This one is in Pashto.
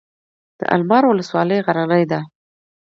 د المار ولسوالۍ غرنۍ ده